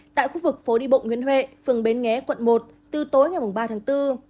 tại khu vực phố đi bộ nguyễn huệ phường bến nghé quận một từ tối ngày ba tháng bốn